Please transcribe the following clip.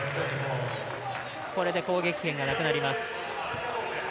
これで攻撃権がなくなります。